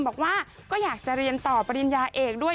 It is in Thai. บอกว่าก็อยากจะเรียนต่อปริญญาเอกด้วย